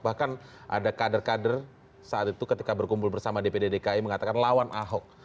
bahkan ada kader kader saat itu ketika berkumpul bersama dpd dki mengatakan lawan ahok